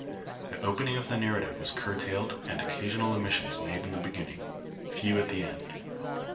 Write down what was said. The opening of the narrative was curtailed, and occasional omissions made in the beginning, few at the end.